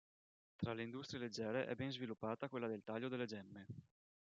Tra le industrie leggere è ben sviluppata quella del taglio delle gemme.